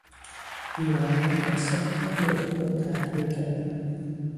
ایرانیان مصرف تنباکو را تحریم کردند.